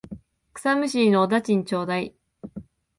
草むしりのお駄賃ちょうだい。